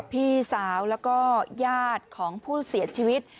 พี่สาวแล้วก็ญาติของผู้เสียชีวิต